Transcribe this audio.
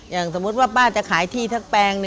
อย่างสมมุติว่าป้าจะขายที่ทั้งแปลง